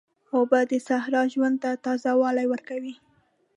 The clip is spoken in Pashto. اوبه د صحرا ژوند ته تازه والی ورکوي.